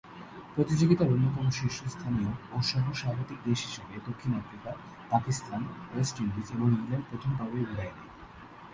প্রতিযোগিতার অন্যতম শীর্ষস্থানীয় ও সহ-স্বাগতিক দেশ হিসেবে দক্ষিণ আফ্রিকা, পাকিস্তান, ওয়েস্ট ইন্ডিজ এবং ইংল্যান্ড প্রথম পর্বেই বিদায় নেয়।